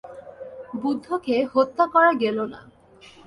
বুদ্ধকে হত্যা করা গেল না।